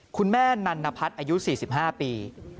คุณแม่นันนพัฒน์อายุ๔๕ปี